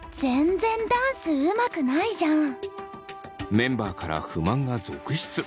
メンバーから不満が続出！